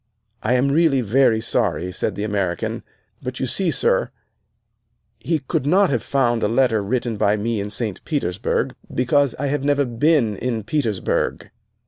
"I am really very sorry," said the American, "but you see, sir, he could not have found a letter written by me in St. Petersburg because I have never been in Petersburg.